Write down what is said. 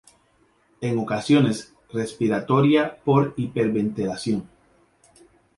En ocasiones respiratoria por hiperventilación.